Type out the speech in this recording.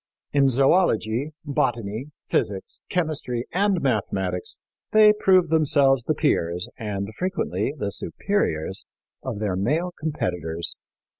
In zoölogy, botany, physics, chemistry and mathematics they proved themselves the peers, and frequently the superiors, of their male competitors.